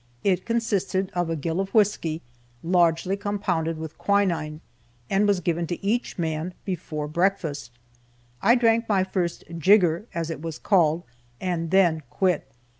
It consisted of a gill of whisky, largely compounded with quinine, and was given to each man before breakfast. I drank my first "jigger," as it was called, and then quit.